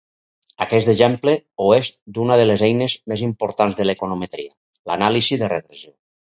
Aquest exemple ho és d'una de les eines més importants de l'econometria: l'anàlisi de regressió.